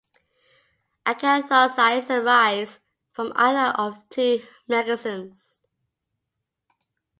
Acanthocytes arise from either of two mechanisms.